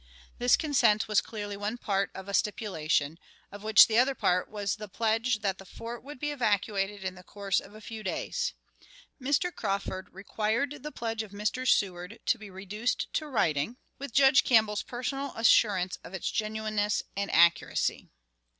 This consent was clearly one part of a stipulation, of which the other part was the pledge that the fort would be evacuated in the course of a few days. Mr. Crawford required the pledge of Mr. Seward to be reduced to writing, with Judge Campbell's personal assurance of its genuineness and accuracy.